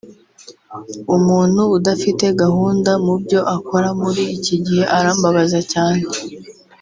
Umuntu udafite gahunda mubyo akora muri iki gihe arambabaza cyane